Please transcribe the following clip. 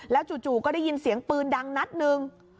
จู่ก็ได้ยินเสียงปืนดังนัดหนึ่ง